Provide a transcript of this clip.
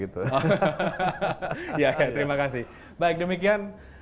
terima kasih baik demikian